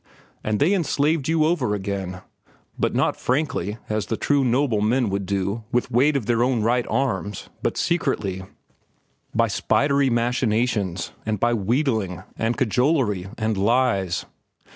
And they enslaved you over again—but not frankly, as the true, noble men would do with weight of their own right arms, but secretly, by spidery machinations and by wheedling and cajolery and lies.